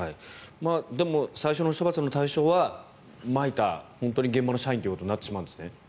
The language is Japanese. でも最初の処罰の対象はまいた、現場の社員ということになるんですね。